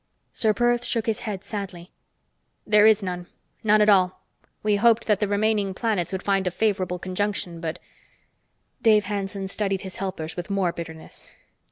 Ser Perth shook his head sadly. "There is none. None at all. We hoped that the remaining planets would find a favorable conjunction, but " Dave Hanson studied his helpers with more bitterness.